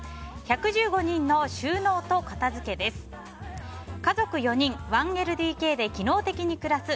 １１５人の収納と片づけです。